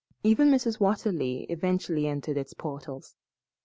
Even Mrs. Watterly eventually entered its portals.